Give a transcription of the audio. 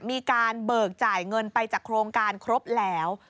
มีการเบิกจ่ายเงินไปจากโครงการครบแล้ว